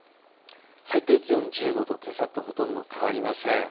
最低気温は１５度、けさとほとんど変わりません。